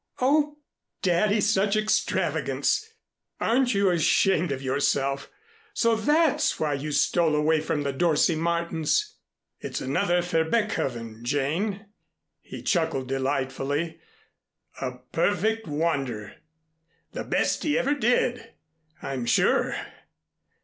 Oh, Daddy, such extravagance! Aren't you ashamed of yourself? So that's why you stole away from the Dorsey Martin's " "It's another Verbeckhoeven, Jane," he chuckled delightedly. "A perfect wonder! The best he ever did, I'm sure!